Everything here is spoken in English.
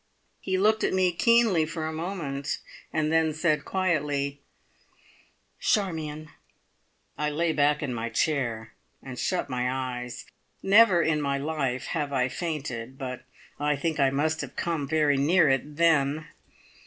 He looked at me keenly for a moment, and then said quietly: "Charmion." I lay back in my chair, and shut my eyes. Never in my life have I fainted, but I think I must have come very near it then.